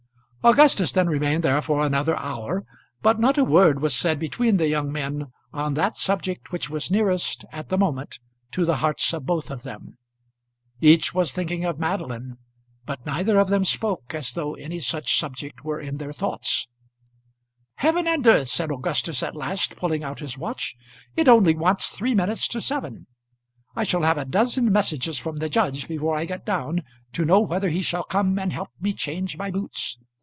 Augustus then remained there for another hour, but not a word was said between the young men on that subject which was nearest, at the moment, to the hearts of both of them. Each was thinking of Madeline, but neither of them spoke as though any such subject were in their thoughts. "Heaven and earth!" said Augustus at last, pulling out his watch. "It only wants three minutes to seven. I shall have a dozen messages from the judge before I get down, to know whether he shall come and help me change my boots.